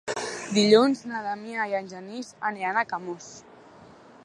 Dilluns na Damià i en Genís aniran a Camós.